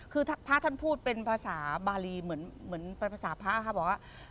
คือพระท่านพูดเป็นภาษาบารีเหมือนเป็นภาษาพระค่ะบอกว่า